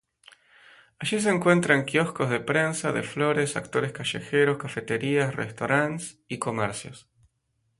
Allí se encuentran kioscos de prensa, de flores, actores callejeros, cafeterías, restaurantes y comercios.